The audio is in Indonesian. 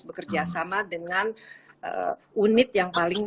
bekerjasama dengan unit yang paling